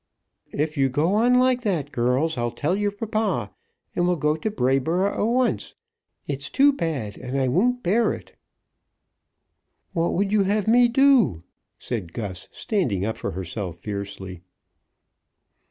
"If you go on like that, girls, I'll tell your papa, and we'll go to Brayboro' at once. It's too bad, and I won't bear it." "What would you have me do?" said Gus, standing up for herself fiercely.